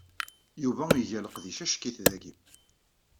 Yuba iga leqdic ack-it dagi.